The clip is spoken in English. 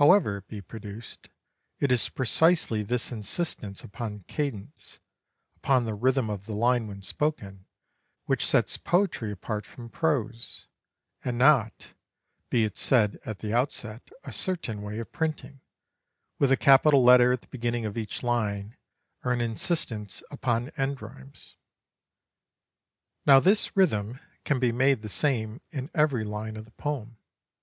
However it be produced, it is precisely this insistence upon cadence, upon the rhythm of the line when spoken, which sets poetry apart from prose, and not be it said at the outset a certain way of printing, with a capital letter at the beginning of each line, or an insistence upon end rhymes. Now this rhythm can be made the same in every line of the poem.